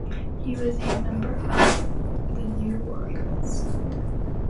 He was a member of the New Warriors.